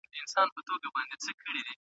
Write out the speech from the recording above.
دغې دورې ته توري پېړۍ هم ويل کيږي.